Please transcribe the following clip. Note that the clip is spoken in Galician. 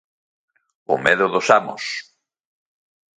¡O medo dos amos!